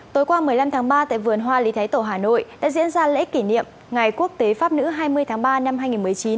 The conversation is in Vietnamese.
tối qua một mươi năm tháng ba tại vườn hoa lý thái tổ hà nội đã diễn ra lễ kỷ niệm ngày quốc tế pháp nữ hai mươi tháng ba năm hai nghìn một mươi chín